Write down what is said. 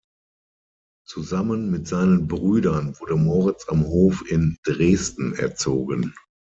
Zusammen mit seinen Brüdern wurde Moritz am Hof in Dresden erzogen.